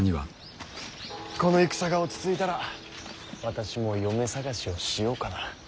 この戦が落ち着いたら私も嫁探しをしようかな。